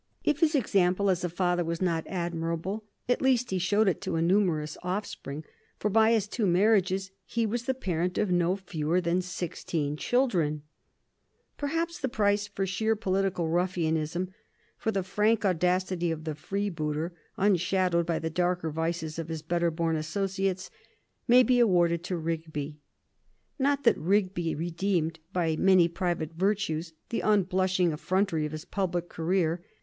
If his example as a father was not admirable, at least he showed it to a numerous offspring, for by his two marriages he was the parent of no fewer than sixteen children. [Sidenote: 1763 Rigby and the Duke of Bedford] Perhaps the prize for sheer political ruffianism, for the frank audacity of the freebooter, unshadowed by the darker vices of his better born associates, may be awarded to Rigby. Not that Rigby redeemed by many private virtues the unblushing effrontery of his public career.